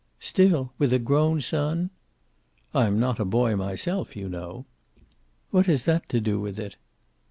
"Still? With a grown son?" "I am not a boy myself, you know." "What has that to do with it?"